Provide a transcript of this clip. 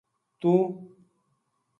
توہ